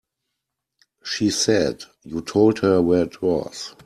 She said you told her where it was.